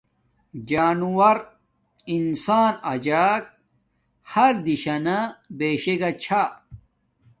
جانوور انسان اجک ہر دہشانہ بیشے گا چھا